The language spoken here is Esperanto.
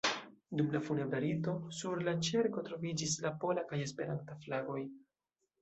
Dum la funebra rito, sur la ĉerko troviĝis la pola kaj Esperanta flagoj.